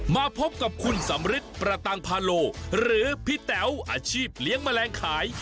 มาพบกับคุณสำริทประตังพาโลหรือพี่แต๋วอาชีพเลี้ยงแมลงขาย